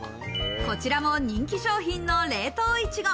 こちらも人気商品の冷凍いちご。